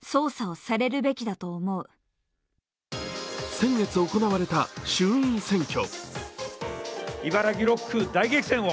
先月行われた衆院選挙。